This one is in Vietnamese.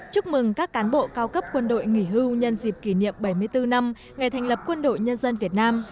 chúc mừng các cán bộ cao cấp quân đội nghỉ hưu nhân dịp kỷ niệm bảy mươi bốn năm ngày thành lập quân đội nhân dân việt nam